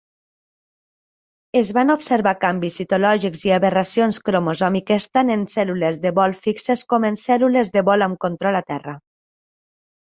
Es van observar canvis citològics i aberracions cromosòmiques tant en cèl·lules de vol fixes com en cèl·lules de vol amb control a terra.